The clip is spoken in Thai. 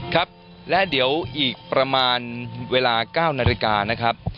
ครับและเดี๋ยวอีกประมาณเวลา๙นาฬิกานะครับ